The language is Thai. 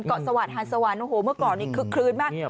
เกาะสวรรค์ฮานสวรรค์เมื่อก่อนคืนมาก